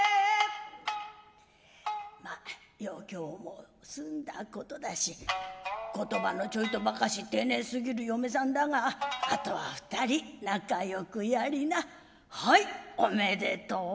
「余興もすんだことだし言葉のちょいとばかし丁寧すぎる嫁さんだがあとは二人仲良くやりなはいおめでとう」。